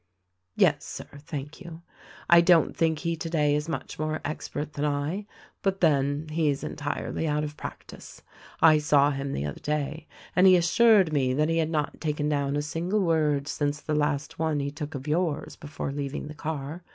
"Yes, Sir, thank you. I don't think he today is much more expert than I ; but then, he is entirely out of practice. I saw him the other day ; and he assured me that he had not taken down a single word since the last one he took of yours before leaving the car.